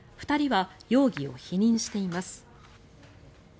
２人は容疑を否認しています。